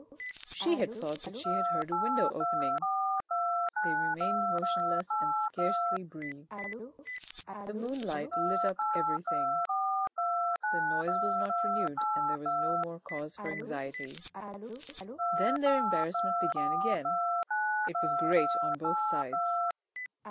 She had thought that she had heard a window opening. They remained motionless and scarcely breathed. The moonlight lit up everything. The noise was not renewed and there was no more cause for anxiety. Then their embarrassment began again; it was great on both sides.